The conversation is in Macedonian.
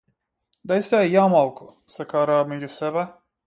Дај сеа ја малку, се караа меѓу себе.